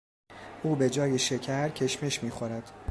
او به جای شکر کشمش میخورد.